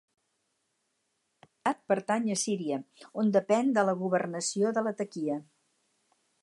En l'actualitat pertany a Síria, on depèn de la Governació de Latakia.